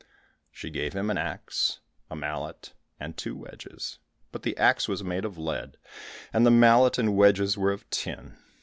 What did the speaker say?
She gave him an axe, a mallet, and two wedges. But the axe was made of lead, and the mallet and wedges were of tin.